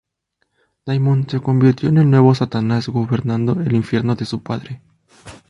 Daimon se convirtió en el nuevo "Satanás", gobernando el infierno de su padre.